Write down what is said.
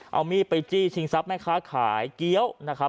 เอามีดไปจี้ชิงทรัพย์แม่ค้าขายเกี้ยวนะครับ